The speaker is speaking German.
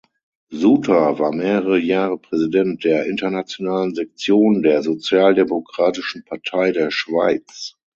Suter war mehrere Jahre Präsident der Internationalen Sektion der Sozialdemokratischen Partei der Schweiz.